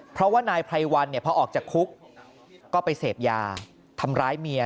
เพราะว่านายไพรวันเนี่ยพอออกจากคุกก็ไปเสพยาทำร้ายเมีย